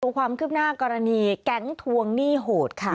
ความคืบหน้ากรณีแก๊งทวงหนี้โหดค่ะ